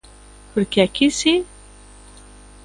¿Por que aquí si?